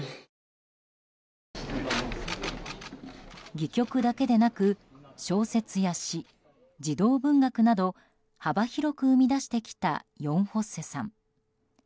戯曲だけでなく小説や詩、児童文学など幅広く生み出してきたヨン・フォッセさん。